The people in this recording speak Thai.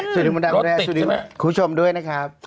สวัสดีคุณผู้ชมด้วยนะครับ